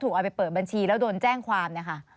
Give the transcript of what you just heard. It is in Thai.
ถูกเอาไปเปิดบัญชีแล้วโดนแจ้งความ